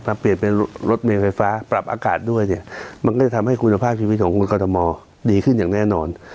ถ้าเปลี่ยนเป็นรถเมลไฟฟ้าปรับอากาศด้วยเนี่ยมันก็จะทำให้คุณภาพชีวิตของคุณกรทมดีขึ้นอย่างแน่นอน